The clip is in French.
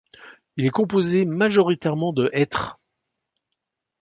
Il est composée majoritairement de hêtres.